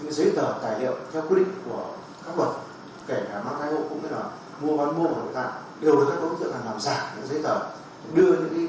đều được các ưu tượng làm giả những giấy tờ đưa những phụ nữ này vào những cơ sở y tế để thực hiện những hành vi thế giới